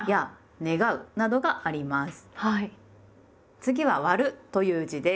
次は「『割』る」という字です。